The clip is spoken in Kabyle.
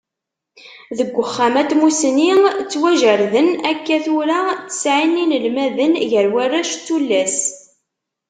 Deg Uxxam-a n Tmussni, ttwajerrden akka tura tesɛin n yinelmaden, gar warrac d tullas.